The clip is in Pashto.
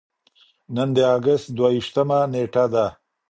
نن د اګست دوه ویشتمه نېټه ده.